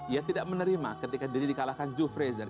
ia tidak menerima ketika diri dikalahkan jufrezer